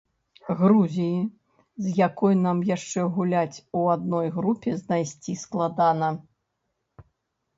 Грузіі, з якой нам яшчэ гуляць у адной групе, знайсці складана.